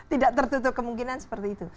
tidak tertutup kemungkinan seperti itu